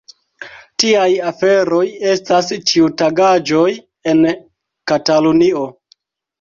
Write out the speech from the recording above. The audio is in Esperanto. Tiaj aferoj estas ĉiutagaĵoj en Katalunio.